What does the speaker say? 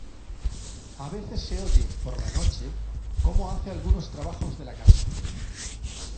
A veces se oye, por la noche, como hace algunos trabajos de la casa.